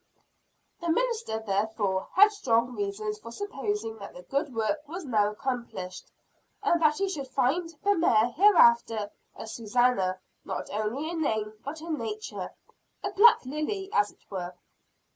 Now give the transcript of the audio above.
The minister therefore had strong reasons for supposing that the good work was now accomplished; and that he should find the mare hereafter a Susannah not only in name but in nature a black lily, as it were.